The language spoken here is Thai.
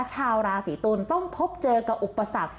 ชาวราศีตุลต้องพบเจอกับอุปสรรค